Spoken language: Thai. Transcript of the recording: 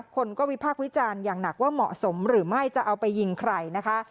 คนก็วิพากษ์วิจารณ์อย่างหนักว่าเหมาะสมหรือไม่จะเอาไปยิงใครนะคะ